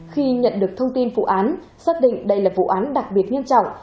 khi nhận được thông tin vụ án xác định đây là vụ án đặc biệt nghiêm trọng